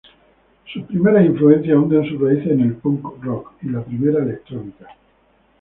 Sus primeras influencias hunden sus raíces en el punk rock y la primera electrónica.